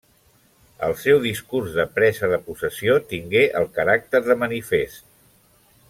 El seu discurs de presa de possessió tingué el caràcter de manifest.